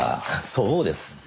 そうです。